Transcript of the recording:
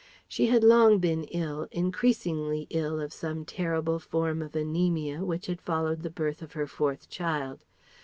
She had long been ill, increasingly ill of some terrible form of anæmia which had followed the birth of her fourth child.